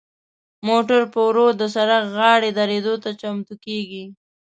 موټر په ورو د سړک غاړې دریدو ته چمتو کیږي.